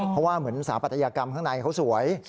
เพราะว่าเหมือนสถาปัตยกรรมข้างในเขาสวย